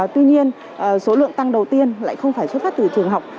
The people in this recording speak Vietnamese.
tuy nhiên số lượng tăng đầu tiên lại không phải xuất phát từ trường học